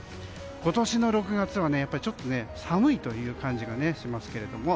今年の６月はちょっと寒いという感じがしますけれども。